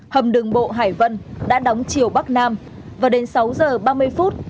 hầm đường bộ hải vân đã đóng chiều bắc nam và đến sáu giờ ba mươi phút